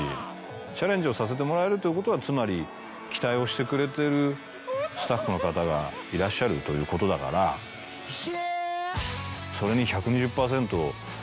チャレンジをさせてもらえるということはつまり期待をしてくれてるスタッフの方がいらっしゃるということだからそれに１２０％。